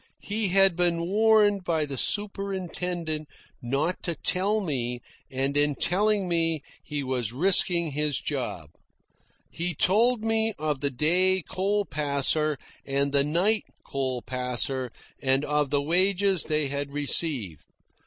He had been warned by the superintendent not to tell me, and in telling me he was risking his job. He told me of the day coal passer and the night coal passer, and of the wages they had received.